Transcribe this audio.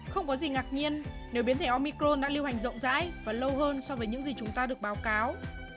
không có gì ngạc nhiên nếu biến thể omicron đã lưu hành rộng rãi và lâu hơn so với những gì chúng ta được báo cáo